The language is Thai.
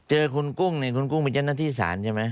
เจอคุณกุ้งเนี่ยคุณกุ้งเป็นเจ้าหน้าที่ศาลใช่ไหม